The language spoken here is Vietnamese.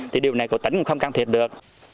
thì điều này của tỉnh cũng không cần thiệt được